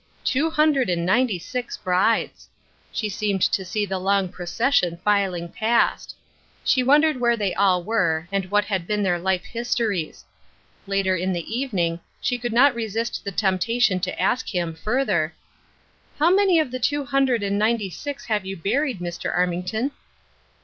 Two hundred and ninety six brides I She seemed to s^e the long procession filing past. 108 Ruth Erskine^B Crossei, She wondered where the j all were, and what had been their life histories. Later in the evening, she could not resist the temptation to ask him, further: " How many of the two hundred and ninety six have you buried, Dr. Armington